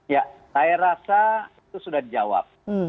ya saya rasa itu sudah dijawab